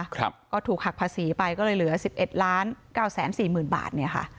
ก็ถูกหักภาษีไปก็เลยเหลือ๑๑ล้าน๙๔๐๐๐๐บาทเนี่ยค่ะ